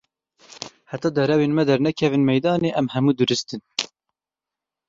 Heta derewên me dernekevin meydanê, em hemû durist in.